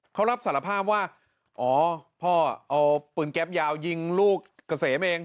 เขารับสารภาพว่าอ๋อพ่อเอาปืนแก๊ปยาวยิงลูกเกษมเอง